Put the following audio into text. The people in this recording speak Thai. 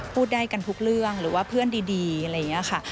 พูดได้กันทุกเรื่องหรือว่าเพื่อนดีอะไรอย่างนี้ค่ะ